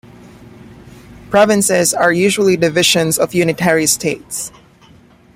Provinces are usually divisions of unitary states.